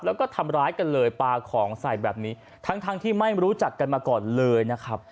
แล้วก็ทำร้ายกันเลยปลาของใส่แบบนี้ทั้งทั้งที่ไม่รู้จักกันมาก่อนเลยนะครับ